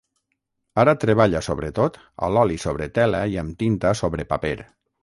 Ara treballa sobretot a l'oli sobre tela i amb tinta sobre paper.